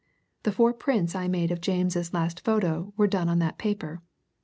The four prints I made of James's last photo were done on that paper.